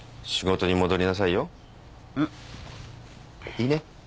いいね？